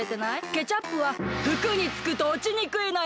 ケチャップはふくにつくとおちにくいのよ！